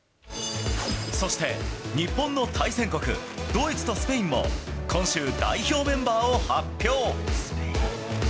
そして、日本の対戦国、ドイツとスペインも、今週、代表メンバーを発表。